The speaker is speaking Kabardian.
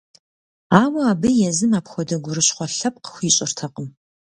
Ауэ абы езым апхуэдэ гурыщхъуэ лъэпкъ хуищӏыртэкъым.